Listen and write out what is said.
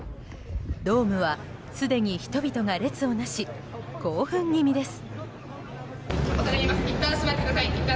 ドームはすでに人々が列を成し興奮気味です。